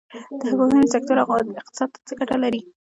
د پوهنې سکتور اقتصاد ته څه ګټه لري؟